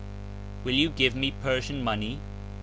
Will you give me Persian money